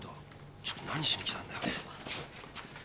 ちょっと何しに来たんだよ。